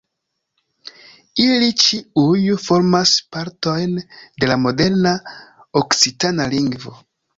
Ili ĉiuj formas partojn de la moderna okcitana lingvo.